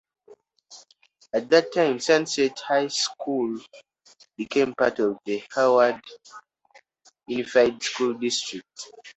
At that time, Sunset High School became part of the Hayward Unified School District.